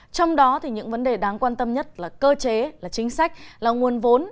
trong đó những vấn đề đáng quan tâm nhất là cơ chế chính sách là nguồn vốn